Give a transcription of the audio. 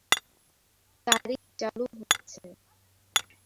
তারিখ চালু হচ্ছে.